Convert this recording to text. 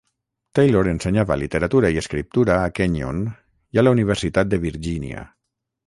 Taylor ensenyava literatura i escriptura a Kenyon i a la Universitat de Virgínia.